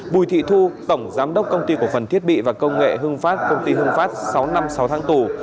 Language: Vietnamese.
bùi thị thu tổng giám đốc công ty cổ phần thiết bị và công nghệ hưng phát công ty hưng phát sáu năm sáu tháng tù